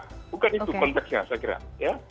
bukan itu konteksnya saya kira ya